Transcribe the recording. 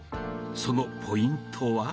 そのポイントは？